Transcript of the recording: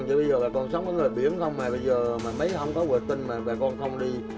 bây giờ bà con sống ở nơi biển không mà bây giờ mấy hôm có huệ tinh mà bà con không đi